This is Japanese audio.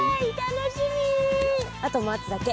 あと待つだけ。